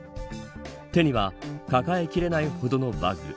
手には抱えきれないほどのバッグ。